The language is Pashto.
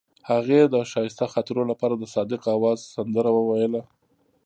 هغې د ښایسته خاطرو لپاره د صادق اواز سندره ویله.